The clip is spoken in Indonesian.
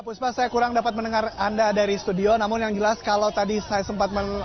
puspa saya kurang dapat mendengar anda dari studio namun yang jelas kalau tadi saya sempat